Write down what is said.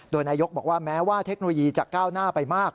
โดยนายกบอกว่าแม้ว่าเทคโนโลยีจะก้าวหน้าไปมาก